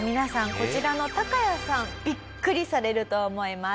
こちらのタカヤさんビックリされると思います。